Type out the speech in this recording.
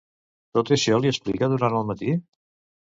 Tot això li explica durant el matí?